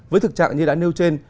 với thực trạng như đã nêu trên